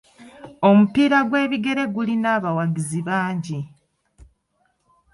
Omupiira gw'ebigere gulina abawagizi bangi.